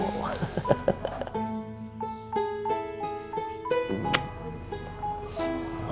sudah mengangkat tangan